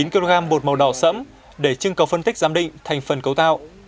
chín kg bột màu đỏ sẫm để chưng cầu phân tích giám định thành phần cấu tạo